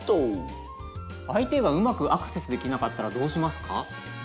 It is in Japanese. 相手がうまくアクセスできなかったらどうしますか？